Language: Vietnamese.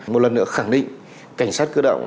một lần nữa khẳng định cảnh sát cơ động